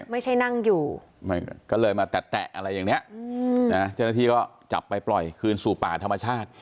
ไม่ใช่นั่งอยู่ก็เลยมาแตะอะไรอย่างนี้เจ้าหน้าที่ก็จับไปปล่อยคืนสู่ป่าธรรมชาติ